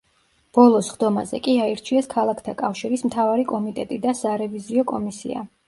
ბოლო სხდომაზე კი აირჩიეს „ქალაქთა კავშირის“ მთავარი კომიტეტი და სარევიზიო კომისია.